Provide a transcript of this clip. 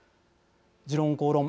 「時論公論」